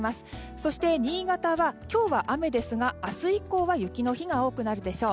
そして、新潟は今日は雨ですが明日以降は雪の日が多くなるでしょう。